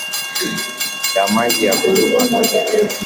ya maji na kutupwa akituacha bila nguvu